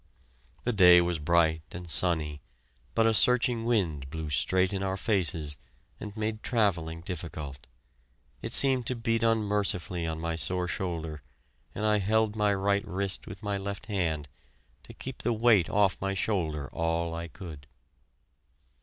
The day was bright and sunny, but a searching wind blew straight in our faces and made travelling difficult. It seemed to beat unmercifully on my sore shoulder, and I held my right wrist with my left hand, to keep the weight off my shoulder all I could.